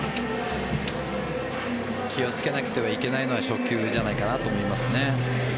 気をつけなくてはいけないのは初球じゃないかなと思います。